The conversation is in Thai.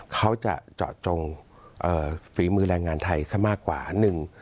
เขาจะเจาะจงฝีมือแรงงานไทยซะมากกว่าหนึ่ง